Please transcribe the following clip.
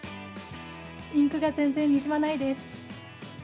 インクが全然にじまないです。